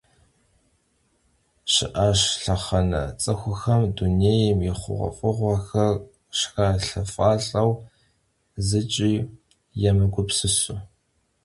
Şı'aş lhexhene ts'ıxuxem dunêym yi xhuğuef'ığuexer zralhefalh'eu, zıç'i yêmıgupsısu.